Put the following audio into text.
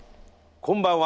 こんばんは。